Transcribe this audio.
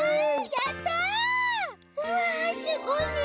うわすごいね。